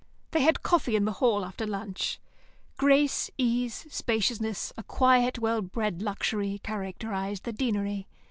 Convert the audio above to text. They had coffee in the hall after lunch. Grace, ease, spaciousness, a quiet, well bred luxury, characterised the Deanery.